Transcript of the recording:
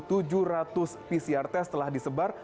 dan lebih dari satu pasien tersebar